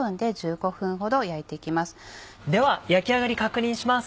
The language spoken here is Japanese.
では焼き上がり確認します。